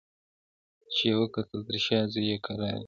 • چي یې وکتل تر شا زوی یې کرار ځي -